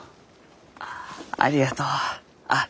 ありがとう。あっ。